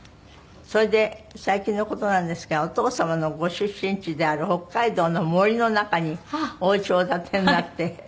それで最近の事なんですがお父様のご出身地である北海道の森の中にお家をお建てになって。